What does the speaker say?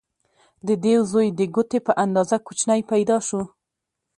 د دیو زوی د ګوتې په اندازه کوچنی پیدا شو.